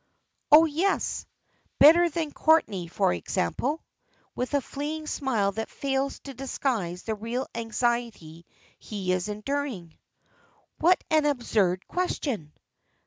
"Oh, yes." "Better than Courtenay, for example?" with a fleeting smile that fails to disguise the real anxiety he is enduring. "What an absurd question!"